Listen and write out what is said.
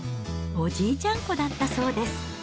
おじいちゃんっ子だったそうです。